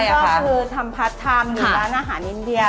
ตอนนั้นก็คือทำพัดทำอยู่ร้านอาหารอินเดีย